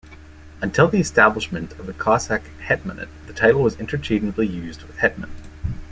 Until the establishment of the Cossack Hetmanate the title was interchangeably used with Hetman.